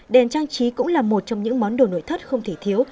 đèn trang trí cũng là một trong những món đồ nội thất không thể thiếu